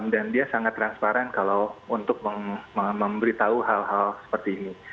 dan dia sangat transparan untuk memberitahu hal hal seperti ini